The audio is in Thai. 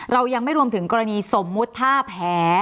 เรายังไม่รวมถึงกรณีสมมุติถ้าแพ้